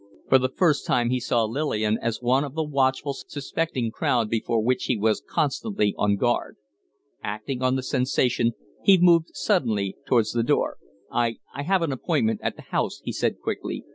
For the first time he saw Lillian as one of the watchful, suspecting crowd before which he was constantly on guard. Acting on the sensation, he moved suddenly towards the door. "I I have an appointment at the House," he said, quickly.